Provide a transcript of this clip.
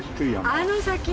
あの先。